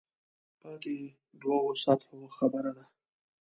پاتې دوو سطحو خبره ده.